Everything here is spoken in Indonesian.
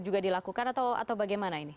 juga dilakukan atau bagaimana ini